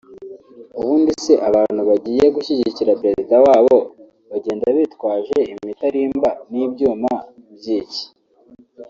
ubundi se abantu bagiye gushyigikira Perezida wabo bagenda bitwaje imitarimba n’ibyuma by’iki